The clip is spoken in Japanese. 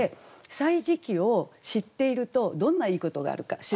「歳時記」を知っているとどんないいことがあるか。